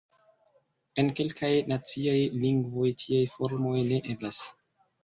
En kelkaj naciaj lingvoj tiaj formoj ne eblas.